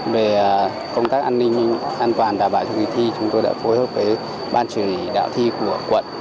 vì mình an toàn đảm bảo cho kỳ thi chúng tôi đã phối hợp với ban chủ yếu đạo thi của quận